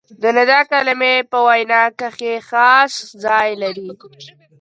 د ندا کلیمې په وینا کښي خاص ځای لري.